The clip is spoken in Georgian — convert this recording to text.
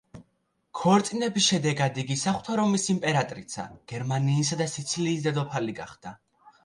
ქორწინების შედეგად იგი საღვთო რომის იმპერატრიცა, გერმანიისა და სიცილიის დედოფალი გახდა.